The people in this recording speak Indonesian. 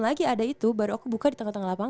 lagi ada itu baru aku buka di tengah tengah lapangan